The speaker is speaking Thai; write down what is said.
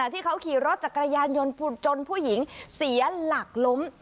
ที่เขาขี่รถจักรยานยนต์จนผู้หญิงเสียหลักล้ม